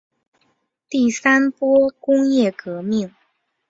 第三波工业革命